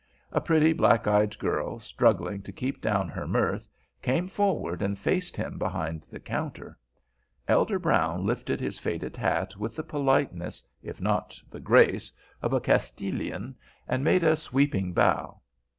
A pretty, black eyed girl, struggling to keep down her mirth, came forward and faced him behind the counter. Elder Brown lifted his faded hat with the politeness, if not the grace, of a Castilian, and made a sweeping bow.